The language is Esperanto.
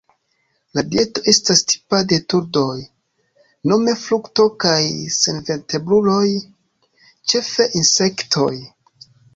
La dieto estas tipa de turdoj: nome frukto kaj senvertebruloj, ĉefe insektoj.